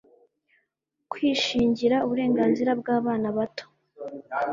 Kwishingira uburenganzira bw abana bato